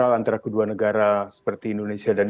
yang lebih mematuhi hubungan ketiga tiga negara inggris inggris